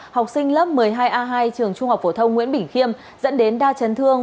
học sinh lớp một mươi hai a hai trường trung học phổ thông nguyễn bỉnh khiêm dẫn đến đa chấn thương